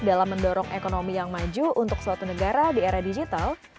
dalam mendorong ekonomi yang maju untuk suatu negara di era digital